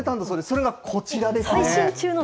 それがこちらですね。